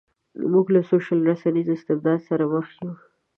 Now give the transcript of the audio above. موږ له سوشل رسنیز استبداد سره مخ یو.